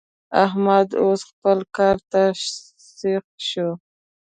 احمد اوس خپلو کارو ته سيخ شو.